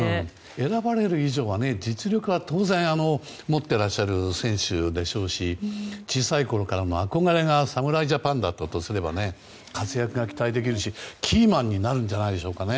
選ばれる以上は実力は当然持っている選手でしょうし小さいころからの憧れが侍ジャパンだったとすれば活躍が期待できるし、キーマンになるんじゃないでしょうかね。